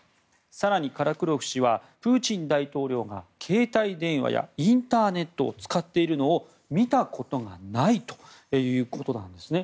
更に、カラクロフ氏はプーチン大統領が携帯電話やインターネットを使っているのを見たことがないということなんですね。